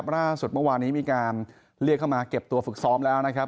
เมื่อวานี้มีการเรียกเข้ามาเก็บตัวฝึกซ้อมแล้วนะครับ